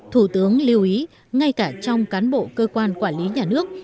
thủ tướng lưu ý ngay cả trong cán bộ cơ quan quản lý nhà nước